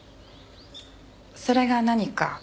それが何か？